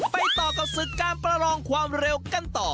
ไปต่อกับศึกการประลองความเร็วกันต่อ